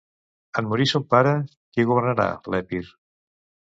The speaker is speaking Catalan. En morir son pare, qui governà l'Epir?